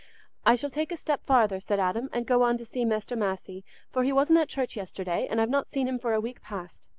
"I shall take a step farther," said Adam, "and go on to see Mester Massey, for he wasn't at church yesterday, and I've not seen him for a week past.